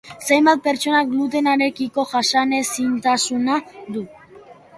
Zenbait pertsonak glutenarekiko jasanezintasuna du.